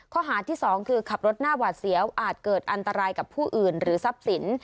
ข้อหาที่สองคือขับรถหน้าหวาดเสียวอาจเกิดอันตรายกับผู้อื่นหรือทรัพย์สิน